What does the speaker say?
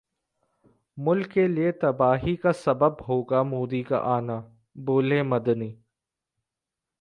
मुल्क के लिए तबाही का सबब होगा मोदी का आना, बोले मदनी